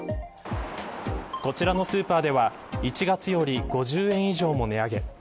こちらのスーパーでは、１月より５０円以上も値上げ。